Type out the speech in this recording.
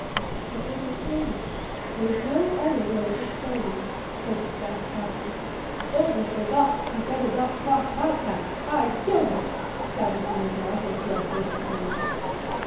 "It is an illness, there's no other way of explaining it," said the staff captain. "Illness or not, he'd better not cwoss my path. I'd kill him!" shouted Denísov in a bloodthirsty tone.